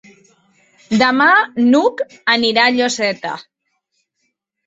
Demà n'Hug anirà a Lloseta.